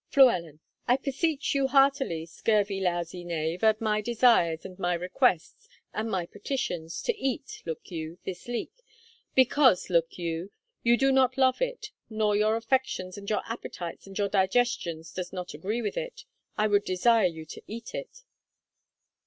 Flu. I peseech you heartily, scurvy lowsy knave, at my desires, and my requests, and my petitions, to eat, look you, this leek; because, look you, you do not love it, nor your affections, and your appetites, and your digestions, does not agree with it, I would desire you to eat it.